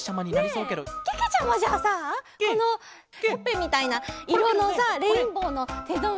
けけちゃまじゃあさこのほっぺみたいないろのさレインボーのてんとう